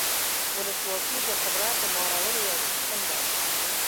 ولسواکي د قدرت د مهارولو یو سیستم دی.